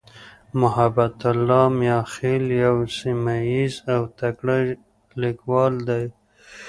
محبتالله "میاخېل" یو سیمهییز او تکړه لیکوال دی.